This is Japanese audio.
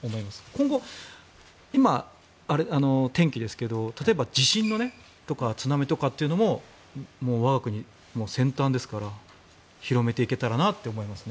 今後、今、天気ですが例えば地震とか津波とかっていうのも我が国、先端ですから広めていけたらなと思いますね。